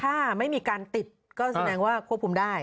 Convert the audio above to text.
ถ้าไม่มีการติดก็แสดงว่าควบคุมได้